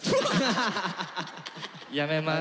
やめます。